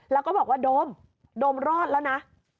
แล้วก็บอกว่าโดมโดมรอดแล้วนะ